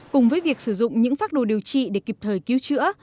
cùng với việc sử dụng những phác đồ điều trị để kịp thời cứu chữa